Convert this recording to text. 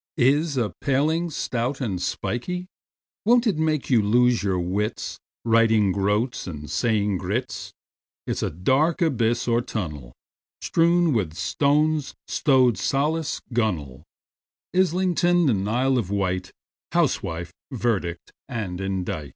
— Is a paling, stout and spikey; Won't it make you lose your wits, Writing "groats" and saying groats? It's a dark abyss or tunnel, Strewn with stones, like rowlock, gunwale, Islington and Isle of Wight, Housewife, verdict and indict!